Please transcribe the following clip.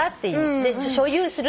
で所有する。